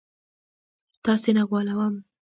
تاسي نه غولوم